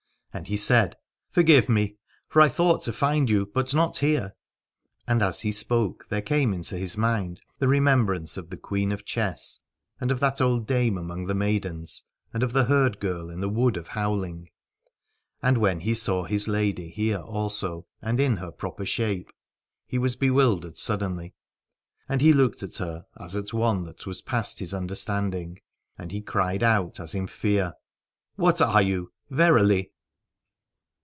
And he said : Forgive me, for I thought to find you, but not here. And as he spoke there came into his mind the remembrance of the Queen of Chess, and of that old dame among the Maidens, and of the herd girl in the wood of Howling : and when he saw his lady here also and in her proper shape he was be wildered suddenly. And he looked at her as at one that was past his understanding, and he cried out as in fear: What are you verily